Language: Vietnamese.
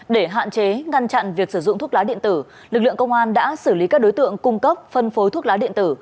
để hạn chế ngăn chặn việc sử dụng thuốc lá điện tử lực lượng công an đã xử lý các đối tượng cung cấp phân phối thuốc lá điện tử